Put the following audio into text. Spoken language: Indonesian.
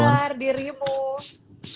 apa kabar dirimu